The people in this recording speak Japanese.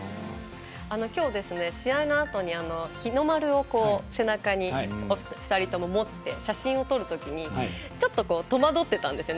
きょう、試合のあとに日の丸を背中に２人とも持って写真を撮るときにちょっと戸惑ってたんですよね